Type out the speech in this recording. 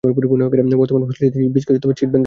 বর্তমানে ফসলী জাতির বীজকে সিড ব্যাংকে সংরক্ষণ করা হয়?